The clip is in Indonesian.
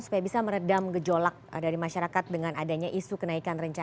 supaya bisa meredam gejolak dari masyarakat dengan adanya isu kenaikan